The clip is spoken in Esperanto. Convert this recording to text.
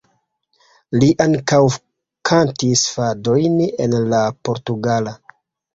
Li ankaŭ kantis fadojn en la portugala.